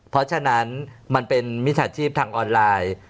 เพราะฉะนั้นมันเป็นมิจฉาชีพทางออนไลน์